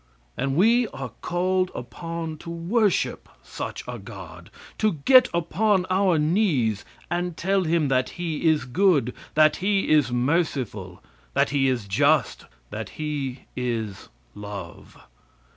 And we are called upon to worship such a god; to get upon our knees and tell him that he is good, that he is merciful, that he is just, that he is love.